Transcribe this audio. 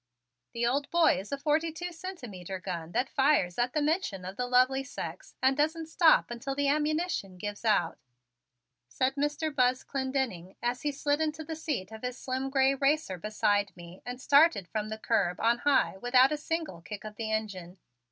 "The old boy is a forty two centimeter gun that fires at the mention of the lovely sex and doesn't stop until the ammunition gives out," said Mr. Buzz Clendenning as he slid into the seat of his slim gray racer beside me and started from the curb on high without a single kick of the engine.